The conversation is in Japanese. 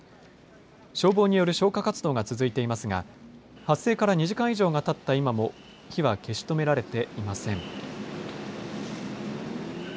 消防による消火活動が続いていますが発生から２時間以上がたった今も火は消し止められていません。